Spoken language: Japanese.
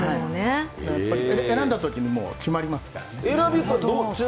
選んだときに決まりますから。